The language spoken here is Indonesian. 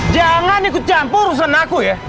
jangan ikut campur urusan aku ya